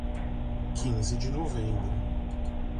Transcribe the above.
Quinze de Novembro